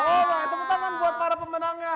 oh tumpukan tangan buat para pemenangnya